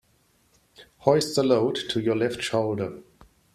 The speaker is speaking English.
Hoist the load to your left shoulder.